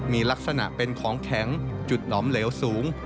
มีลักษณะเป็นของแข็งจุดหนอมเหลวสูง